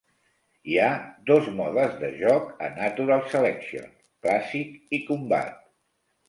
Hi ha dos modes de joc a Natural Selection: Clàssic i Combat.